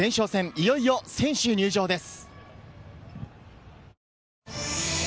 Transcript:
いよいよ選手入場です。